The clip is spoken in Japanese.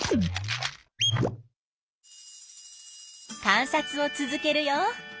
観察を続けるよ。